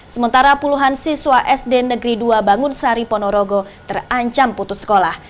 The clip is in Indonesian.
sementara puluhan siswa sd negeri dua bangun sari ponorogo terancam putus sekolah